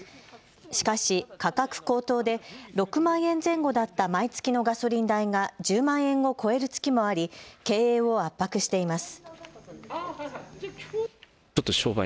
しかし価格高騰で６万円前後だった毎月のガソリン代が１０万円を超える月もあり経営を圧迫しています。